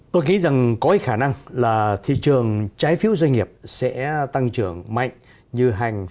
tôi nghĩ rằng có khả năng là thị trường trái phiếu doanh nghiệp sẽ tăng trưởng mạnh như hai nghìn một mươi chín